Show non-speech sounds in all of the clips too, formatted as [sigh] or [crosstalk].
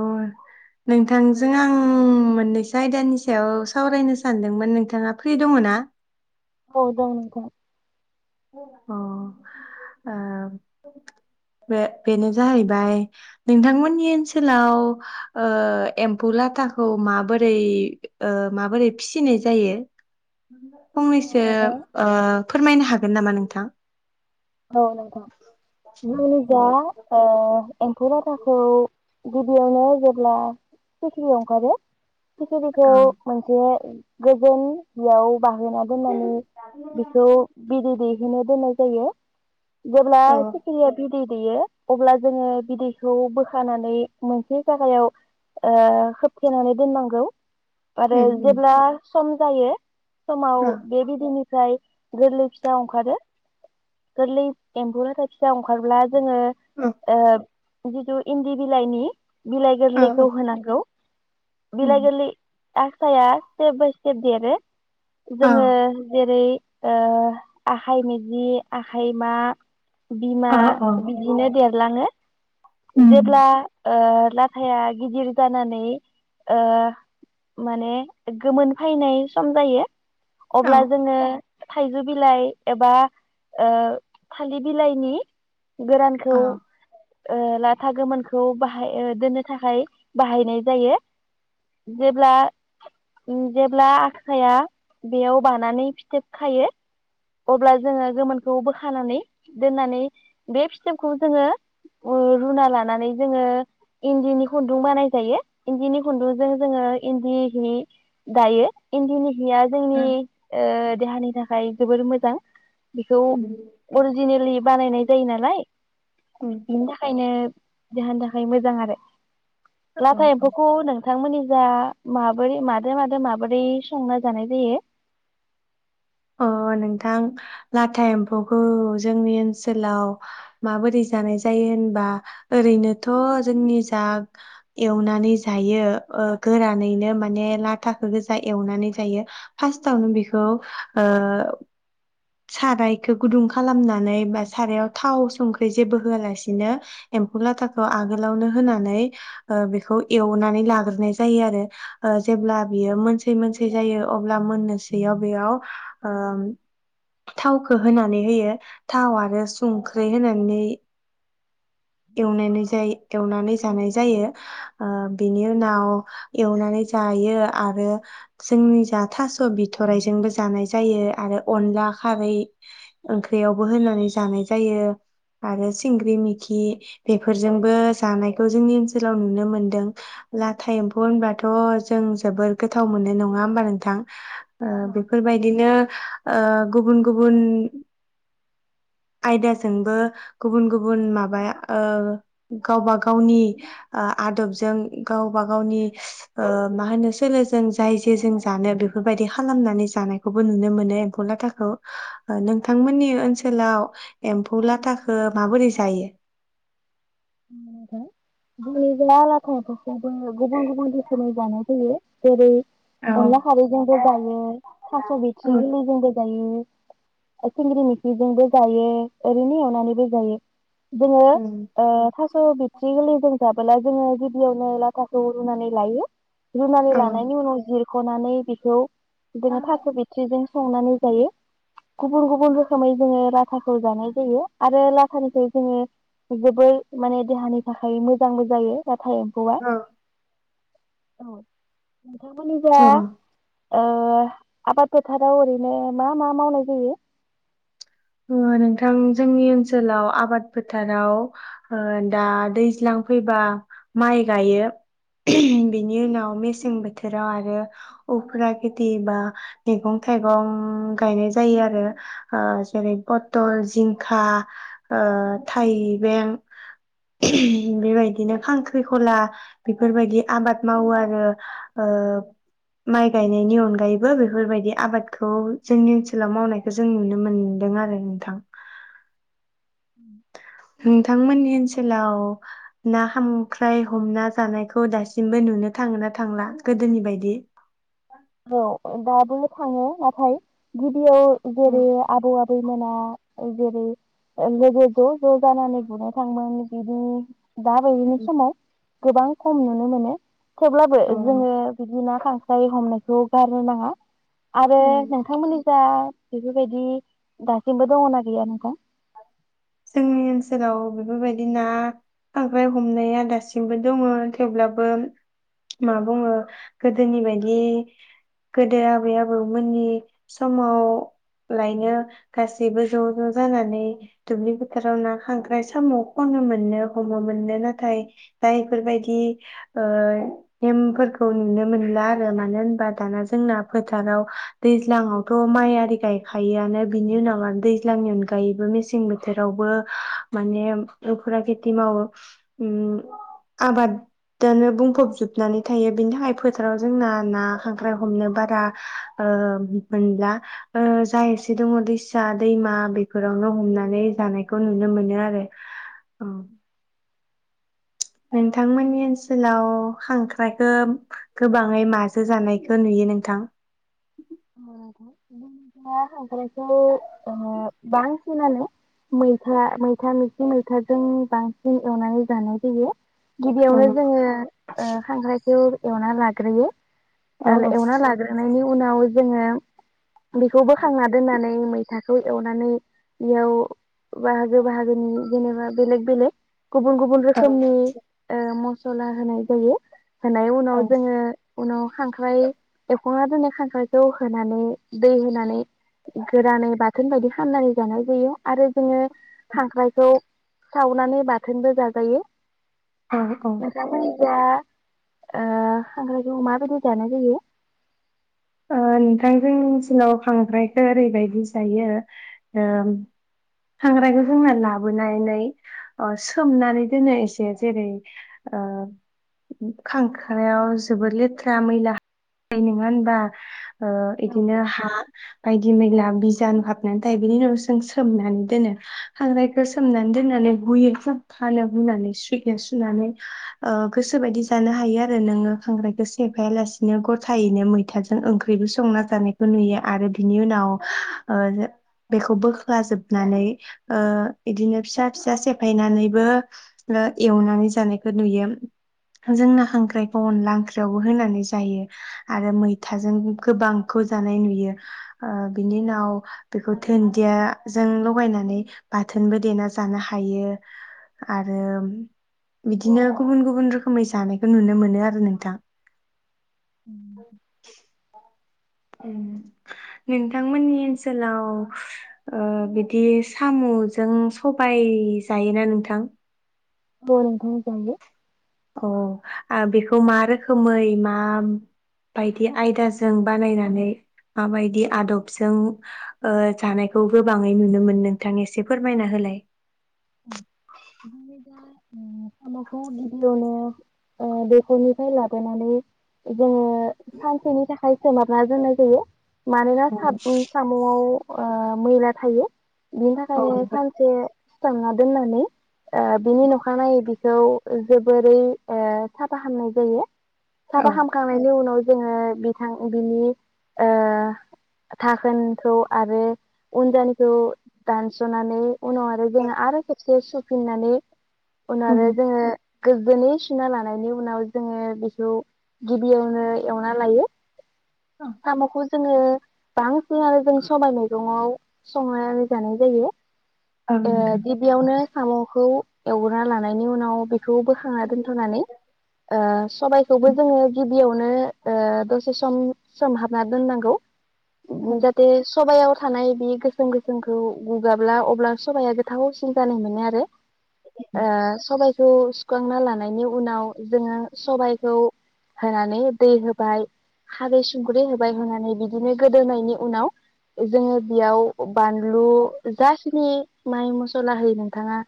अ नोंथांजों आं मोननैसो आयदानि सायाव सावरायनो सानदोंमोन नोंथाङा फ्रि दङ ना औ दं नोथां अ ओ बे बेनो जाहैबाय नोंथांमोननि ओनसोलाव ओ एम्फौ लाथाखौ माबोरै ओ माबोरै फिसिनाय जायो औ फंनैसो नोंथां ओ फोरमायनो हागो गोन‌ नामा नोथां औ नोंथां जोंनिजा ओ एमथौ लाथाखौ गिबियावनो जेब्ला सिखिरियाव ओंखारो सिखिरिखौ औ मोनसे गोजोन बेयाव बाहोना दोननानै बिखौ बिदै दैहैनो दोननाय जायो। जेब्ला औ सिखिरिया बि बि दैै दैयो अब्ला जोङो बिदैखौ बोखानानै मोनसे जागायाव ओ खोबथेनानै दोननांगौ आरो उम उम जेब्ला सम जायो समाव औ बे बिदिनिफ्राय गोरलै फिसा अंखारो गोरलै एम्फौ लाथा फिसा ओंखारब्ला जोङो औ ओ जिथु इन्दि बिलायनि बिलाइ औ औ गोरलैखौ होनांगौ उम बिलाय गोरलै आसाया स्टेप बाय स्टेप देरो औ जोङो जेरै ओ आखाइ मिजि आखाइमा बिमा औ औ बिदिनो देरलाङो। उम जेब्ला ओ लाथाया गिदिर जानानै ओ माने गोमोन फैनाय सम जायो औ अब्ला जोङो थाइजौ बिलाइ एबा ओ थालिर बिलाइनि गोरानखौ औ ओ लाथा गोमोनखौ बाहाय ओ दोननो थाखाय बाहायनाय जायो जेब्ला उ जेब्ला आखाया बेयाव बानानै फिथोब खायो अब्ला जोङो गोमोनखौ बोखानानै दोननानै बे फिथोबखौ जोङो रुना लानानै जोङो इन्दिनि खुन्दुं बानाय जायो इन्दिनि खुन्दुंजों जोङो इन्दि हि दायो इन्दिनि हिया जोंनि ओ देहानि थाखाय जोबोर मोजां बेखौ उम अरिजिनेलि बानायनाय जायो नालाय उम बिनि थाखायनो देहानि थाखाय मोजां आरो औ लाथा एम्फौखौ नोथ नोंथांमोननि जा माबोरै मादो मादो माबोरै संना जानाय जायो अ नोंथां लाथा एम्फौखौ जोंनि ओनसोलाव माबोरै जानाय जायो होनबा ओरैनोथ' जोंनि जा एवनानै जायो ओ गोरानैनो माने लाथाखौ गोजा एवनानै जायो फार्स्टावनो बेखौ ओ सारायखौ गुदुं खालामनानै बा सारायाव थाव संख्रि जेबो होआलासिनो एम्फौ लाथाखौ आगोलावनो होनानै ओ बेखौ एवनानै लाग्रोनाय जायो आरो ओ जेब्ला बियो मोनसेै मोनसै जायो अब्ला मोननोसैयाव बेयाव ओ थावखौ होनानै होयो थाव आरो संख्रै होनानै एवनानै जाय एवनानै जानाय जायो ओ बेनि उनाव एवनानै जायो आरो जोंनि जा थास' बिथ'राइजोंबो जानाय जायो आरो अनला खारै ओंख्रियावबो होनानै जानाय जायो आरो सिंग्रि मिखि बेफोरजोंबो जानायखौ जोंनि ओनसोलाव नुनो मोनदों लाथा एम्फौ होनबाथ' जों जोबोद गोथाव मोननाय नङा होमबा नोंथां ओ औ बेफोरबायदिनो ओ गुबुन गुबुन आयदाजोंबो गुबुन गुबुन माबा ओ गावबा गावनि आदबजों गावबा गावनि ओ मा होनो सोलोजों जाय जेजों जानो बेफोरबायदि खालामनानै जानायखौबो नुनो मोनो एम्फौ लाथाखौ नोंथांमोननि ओनसोलाव एम्फौ लाथाखौ माबोरै जायो? जै बे लाथाफोरखौबो गुबुन गुबुन रोखोमै जानाय फैयो जेरै औ अनला खारैजोंबो जायो थास' बिथ्रि औ गैरलैबो जायो सिंग्रि मिख्रिजोंबो जायो ओरैनो एवनानैबो जायो जोङो ओ थासो बिथ्रि गोलै जों जाबला जोङो गिबियावनो लाथखौ रुनानै लायो रुनानै औ लानायनि उनाव जिर ख'नानै बेखौ बिदिनो थास बिथ्रिजों संनानै जायो गुबुन गुबुन रोखोमै जोङो लाथाखौ जानाय जायो आरो लाथानिफ्राय जोङो जोबोर माने देहानि थाखाय मोजांबो जायो थाव एम्फौआ औ औ नोंथांमोननि जा औ ओ आबाद फोथाराव ओरैनो मा मा मावनाय जायो ओ नोंथां जोंनि ओनसोलाव आबाद फोथाराव ओ दा दैज्लां फैबा माइ गायो बेनि उनाव मेसें बोथोराव आरो उफुरा खेथि बा मैगं थाइगं गायनाय जायो आरो ओ जेरै पथल जिंखा ओ थाइबें बेबायदिनो खांख्रिखला बेफोरबायदि आबाद मावो आरो ओ माइ गायनायनि अनगायैबो बेफोरबायदि आबादखौ जोंनि ओनसोलाव मावनायखौ जों नुनो मोन दों आरो नोंथां नोंथांमोननि ओनसोलाव ना खामख्राय हमना जानायखौ दासिमबो नुनो थाङो ना थांला गोदोनि बायदि? औ दाबोनो थाङो नाथाय औ जेरै आबौ आबै बैमोना जेरै लोगो ज' ज' जानानै गुरनो थाङोमोन बिदि दा बावैनो समाव गोबां खम नुनो मोनो। थेवब्लाबो जोङो बिदिनो खांस्राइ हमनो खौ गारनो नाङा आरो नोंथांमोननि जा बेफोरबायदि दासिमबो दङना गैया नोंथां? जोंनि ओनसोलाव बेफोरबायदि ना खांख्राय ह मनाया दासिमबो दङ थेवब्लाबो मा बुङो गोदोनि बायदि गोदो आबै आबौमोननि समाव लायनो गासैबो ज ज जानानै दुब्लि फोथोराव ना खांख्राय साम खनोमोन नो हमोमोन नो नाथाय दा इफोरबायदि ओ नेमफोरखौ नुनो मोनला आरो मानो होनबा दाना जोंना फोथाराव दैज्लाङावथ माइ आरि गायखायोआनो बिनि उनाव आरो दैज्लांनि अनगायैबो मेसें बोथो थोरावबो माने फुरा खेथि मावो उम आबादानो बुंफबजोबनानै थायो बेनि थाखाय फोथाराव जोंना ना खांख्राय हमनो बारा मोनब्ला जा एसे दङ दैसा दैमा बेफोरावनो हमनानै जानायखौ नुनो मोनो आरो औ [inaudible] नोंथांमोननि ओनसोलाव खांख्रायखौ गोबाङै माजो जानायखौ नुयो नोंथां [unintelligible] खांख्रायखौ ओ बांसिनानो मैथा मैथा मैथि मैथाजों बांसिन एवनानै जानाय जायो। औ गिबियावनो जोङो खांख्रायखौ एवना लाग्रोयो औ आरो औ एवना लाग्रोनायनि उनाव जोङो बेखौ बोखांना दोननानै मैथा खौ एवनानै बऔ बाहागो बाहागोनि जेनेबा बेलग बेलग गुबुन गुबुन ओ रोखोमनि म जला होनाय जायो होनाय उनाव औ जोङो उनाव खांख्राइ एखना दोननाय खांख्राय खौ होनानै दै होनानै गोरानै बाथोन बायदि फाननानै जानाय जायो आरो जोङो खांख्रायखौ सावनानै बाथोनबो जाजायो। औ औ दा ओ खांख्रायखौ माबायदि जानाय जायो? ओ नोंथां जों थिङाव खांख्रायखौ ओरैबायदि जायो ओम खांख्रायखौ जोंना लाबोनानै सोमनानै दोनो एसे जेरै ओ खांख्रायाव जोबोर लेथ्रा मैला थायो नोङा होनबा। ओ औ इदिनो हा बायदि मैला बिजानु हाबनानै थायो बेनि उनाव जों सोमनानै दोनो खांख्रायखौ सोमनानै दोननानै हुयो [unintelligible] सुयो सुनानै ओ गोसो बायदि जानो हायो आरो नोङो खांख्रायखौ सेफाया लासिनो गथायैनो मैथाजों जों ओंख्रिबो संना जानायखौ नुयो आरो बिनि उनाव ओ बेखौ बोख्ला जोबनानै ओ बिदिनो फिसा फिसा सेफायनानैबो एवनानै जानायखौ नुयो जोंना खांख्रायखौ अनला ओंख्रियावबो होनानै जायो आरो मै थाजों गोबांखौ जानाय नुयो ओ बिनि उनाव बेखौ दुनदिया जों लगायनानै बाथोनबो देना जानो हायो आरो बिदिनो गुबुन गुबुन रोखोमै जानायखौ नुनो मोनो आरो नोंथां उम नोंथांमोननि ओनसोलाव ओ बिदि सामजों सबाय जायोना नोंथां नंगौ नोंथां जों बे औ आ‌ बेखौ मा रोखोमै मा बादि आयदाजों बानायनानै माबायदि आदबजों जानायखौ गोबाङै नुनो मोन नोंथां एसे फोरमायना होलाय ओमफ्राय सामखौ गिबियावनो ओ दैखरनिफ्राय लाबोनानै जोङो सानसेनि थाखाय सोमहाबना दोननाय जायो। मानोना औ साटनि साम'आव मैला थायो। बिनि औ थाखायनो नोंथां सानसे सोमना दोननानै ओ बिनि नखानायै बिखौ ओ जोबोरै साफाखालामनाय जायो। औ साफा खामखांनायनि उनाव जोङो बिथां बिनि ओ दाखोनखौ आरो उनजानिखौ दानस'नानै उनाव आरो जोंङो आरो खेबसे फिनानै उनाव आरो जोङो गोजोनै सुना लानायनि उनाव जोङो बेखौ गिबियावनो एवना लायो। साम खो जों जोङो बांसिनानो जों सबबाय मैगङाव संनानै जानाय जायो। औ नोंथां। गिबियावनो साम'खौ एवग्रोना लानायनि उनाव बेखौ बोखांना दोनथ'नानै ओ सबायखौबो जोङो गिबि बियावनो ओ दसे सम सोमहाबना दोननांगौ। जाथे सबायाव थानाय बे गोसोम गोसोमखौ गुगाब्ला अब्ला सबाया गोथावसिन जानाय मोनो आरो ओ सबायखौ त' सुखांना लानायनि उनाव जोङो सबायखौ होनानै दै होबाय‌ खारै संख्रि होबाय होनानै बिदिनो गोदौनायनि उनाव जोङो बेयाव बानलु जाखिनि माइ मसला होयो नोंथाङा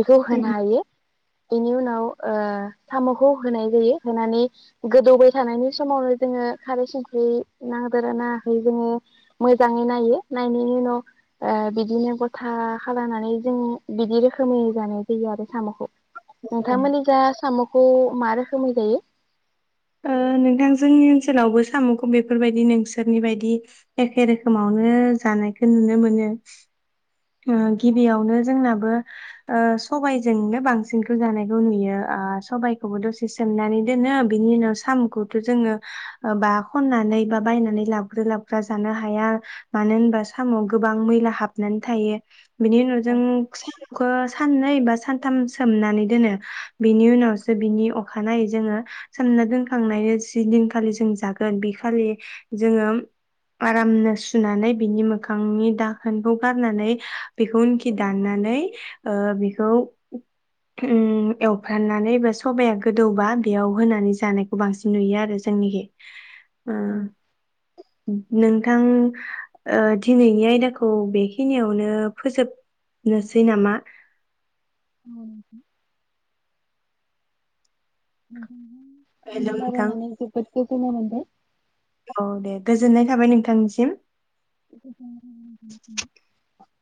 बेखौ होनो हायो। बेनि उनाव ओ साम'खौ होनाय जायो होनानै गोदौबाय थानायनि समावनो जोङो खारै संख्रि नांदोना नाङाखै जोङो मोजाङै नायो नायनायनि उनाव बिदिनो गथा खालामनानै जों बिदि रोखोमै जानाय जायो आरो साम'खौ। नोंथांमोनि जा साम'खौ खौ मा रोखोमै जायो? ओ नोंथां जनि ओनसोलावबो साम'खौ बेफोरबायदि नोंसोरनि बायदि एखे रोखोमावनो जानायखौ नुनो मोनो। गिबियावनो जोंनाबो सबायजोंनो बांसिनखौ जानायखौ नुयो ओ सबायखौबो दसे सोमनानै दोनो बिनि उनाव साम'खौथ' जोङो बा खननानै बा बायनानै लाबग्रो लाबग्रा जानो हाया मानो होनबा साम'आव गोबां मैला हाबनानै थायो। बिनि उनाव औ जों खौ साननै बा सानथाम सोमनानै दोनो बिनि उनावसो बिनि अखानायै जोङो सोमना दोनखांनायनि जि दिनखालि जों जागोन बि खालि जोङो उम आरामनो सुनानै बिनि मोखांनि दाखोनखौ। गारनानै बेखौ उनखि दाननानै ओ बेखौ उम एवफ्राननानै बा सबाया गोदौबा बेयाव होनानै जानायखौ बांसिन नुयो आरो जोंनिखै औ उम नोंथां ओ दिनैनि आयदाखौ बे खिनियावनो फोजोबनोसै नामा? उम [unintelligible] हेलौ आंबो नोंथां रायलायनानै जोबोद गोजोननाय मोनबाय औ दे गोजोननाय थाबाय नोंथांनिसिम गोजोननाय थाबाय नोंथांनिसिम